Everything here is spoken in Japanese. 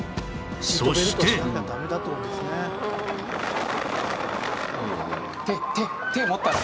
そして手手持ったら。